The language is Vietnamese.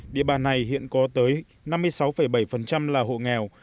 địa bàn này hiện có tới năm mươi sáu bảy là hộ nghèo